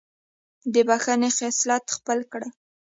د بښنې خصلت خپل کړئ.